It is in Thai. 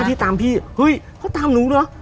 พี่ตามพี่เฮ้ยเขาตามหนูเหรอ